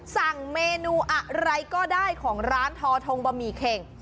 สั่งเมนูอะไรก็ได้ของร้านทอทงบะหมี่เข่ง